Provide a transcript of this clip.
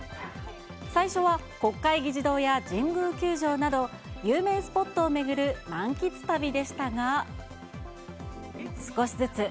最初は国会議事堂や神宮球場など、有名スポットを巡る満喫旅でしたが。